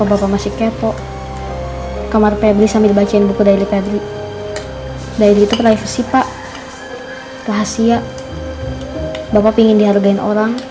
bapak ingin dihargai orang